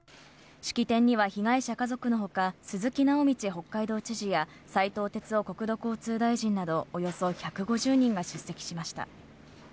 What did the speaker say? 式典には被害者家族のほか、鈴木直道北海道知事や、斉藤鉄夫国土交通大臣など、およそ１５０人が出席しました。